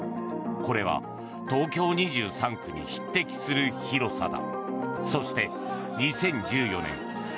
これは東京２３区に匹敵する広さだ。